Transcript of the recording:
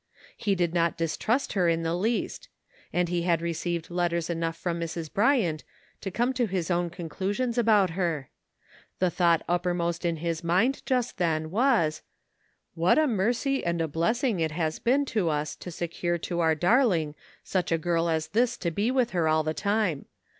He did not dis trust her in the least; and he had received letters enough from Mrs. Bryant to come to his own conclusions about her. The thought uppermost in his mind just then was :'' What a mercy and a blessing it has been to us to secure for our darling such a girl as this to be with her all the time.